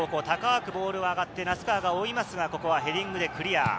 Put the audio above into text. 高くボールが上がって、名須川が追いますが、ここはヘディングでクリア。